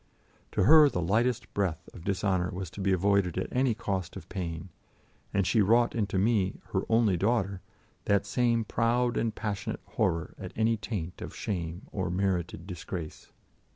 To her the lightest breath of dishonour was to be avoided at any cost of pain, and she wrought into me, her only daughter, that same proud and passionate horror at any taint of shame or merited disgrace.